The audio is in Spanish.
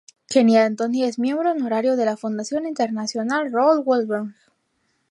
Kenny Anthony es Miembro Honorario de la Fundación Internacional Raoul Wallenberg.